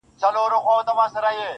زه د لاسونو د دعا په حافظه کي نه يم,